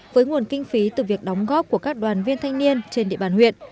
với nguồn kinh phí từ việc đóng góp của các đoàn viên thanh niên trên địa bàn huyện